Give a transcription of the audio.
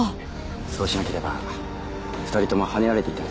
そうしなければ２人ともはねられていたでしょう。